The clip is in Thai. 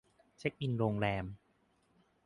เช็กอินโรงแรม